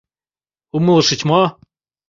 Умылышыч мо?